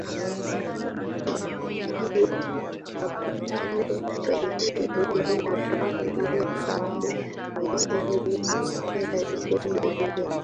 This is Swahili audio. matukio yapatayo elfu ishirini na tano mia tatu hamsini na sita ya vitendo vya